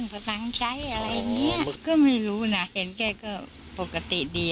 เกลียดเรื่องลูกแกนเนี่ยลูกแกนไม่ให้ถ้าต้องประตังใช้อะไรเนี้ย